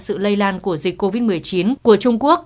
sự lây lan của dịch covid một mươi chín của trung quốc